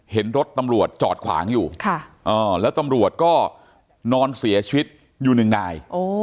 เห็นรถตำรวจจอดขวางอยู่แล้วตำรวจก็นอนเสียชีวิตอยู่หนึ่งนาย